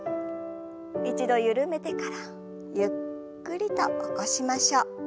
一度緩めてからゆっくりと起こしましょう。